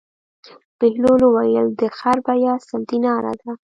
بهلول وویل: د خر بېه سل دیناره ده.